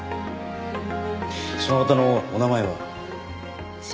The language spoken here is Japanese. その方のお名前は？